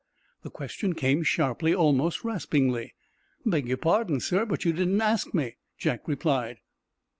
The question came sharply, almost raspingly. "Beg your pardon, sir, but you didn't ask me," Jack replied.